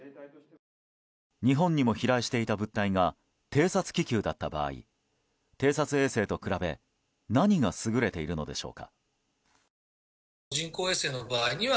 日本にも飛来していた物体が偵察気球だった場合偵察衛星と比べ何が優れているのでしょうか。